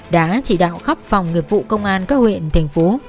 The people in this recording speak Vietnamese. đã chỉ đạo khắp phòng nghiệp vụ công an các huyện thành phố